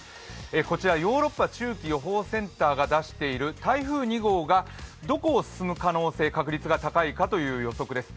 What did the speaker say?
こちらヨーロッパ中期予報センターが出している台風２号がどこを進む確率が高いかという予測です。